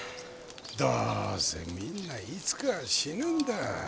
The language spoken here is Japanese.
どうせみんないつかは死ぬんだ。